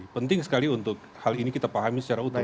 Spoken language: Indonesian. penting sekali untuk hal ini kita pahami secara utuh